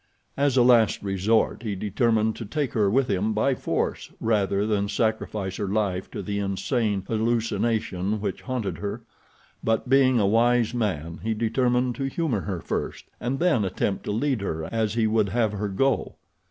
As a last resort he determined to take her with him by force rather than sacrifice her life to the insane hallucination which haunted her; but, being a wise man, he determined to humor her first and then attempt to lead her as he would have her go.